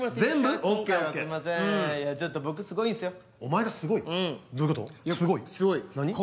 すごい？何？